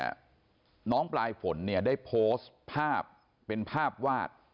น้องปลายฝนเนี่ยได้โพสต์ภาพเป็นภาพวาด